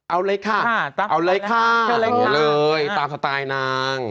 เอาเลยค่ะเอาเลยค่ะเอาเลยตามสไตล์นางเอาเลยตามสไตล์นาง